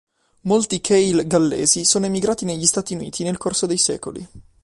Molti Kale gallesi sono emigrati negli Stati Uniti nel corso dei secoli.